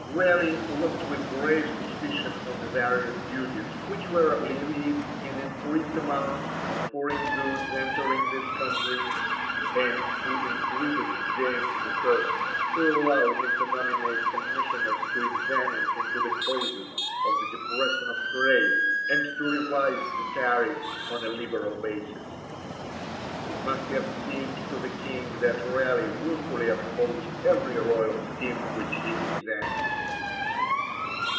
Raleigh looked with grave suspicion on the various duties which were levied, in increasing amount, on foreign goods entering this country, and he entreated James I. to allow him to nominate commissioners to examine into the causes of the depression of trade, and to revise the tariffs on a liberal basis. It must have seemed to the King that Raleigh wilfully opposed every royal scheme which he examined.